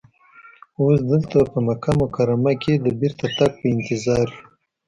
اوس دلته په مکه مکرمه کې د بېرته تګ په انتظار یو.